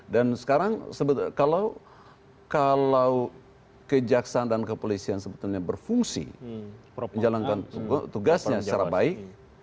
dan sekarang kalau kejaksaan dan kepolisian sebetulnya berfungsi menjalankan tugasnya secara baik